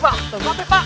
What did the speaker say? pak lihat dia dateng pak